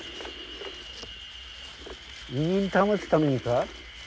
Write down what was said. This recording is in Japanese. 威厳保つためにか？